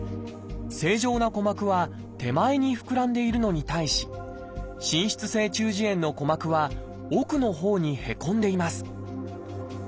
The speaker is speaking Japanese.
正常な鼓膜は手前に膨らんでいるのに対し滲出性中耳炎の鼓膜は奥のほうにへこんでいます。